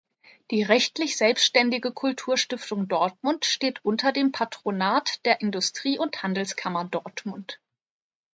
Die rechtlich selbstständige Kulturstiftung Dortmund steht unter dem Patronat der Industrie- und Handelskammer Dortmund.